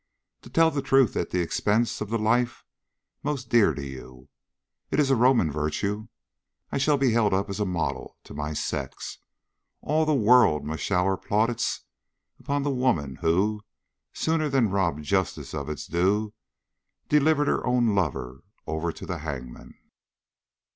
To tell the truth at the expense of the life most dear to you. It is a Roman virtue! I shall be held up as a model to my sex. All the world must shower plaudits upon the woman who, sooner than rob justice of its due, delivered her own lover over to the hangman."